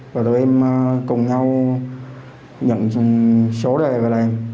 và tụi em cùng nhau nhận số đề và làm